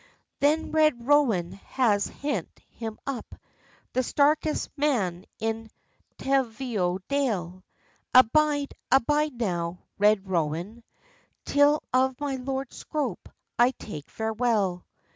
Then Red Rowan has hente him up, The starkest man in Teviotdale: "Abide, abide now, Red Rowan, Till of my Lord Scroope I take farewell.